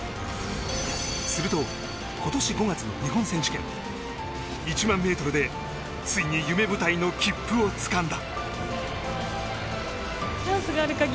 すると、今年５月の日本選手権１００００ｍでついに夢舞台の切符をつかんだ。